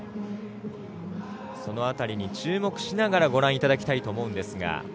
その辺りに注目しながらご覧いただきたいと思います。